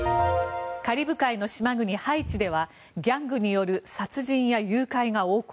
カリブ海の島国ハイチではギャングによる殺人や誘拐が横行。